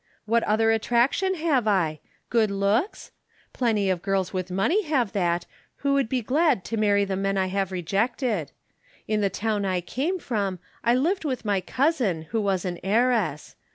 What other attraction have I? Good looks? Plenty of girls with money have that, who would be glad to marry the men I have rejected. In the town I came from I lived with my cousin, who was an heiress.